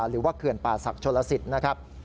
หรือว่าเขื่อนป่าศักดิ์โชลสิทธิ์นะครับ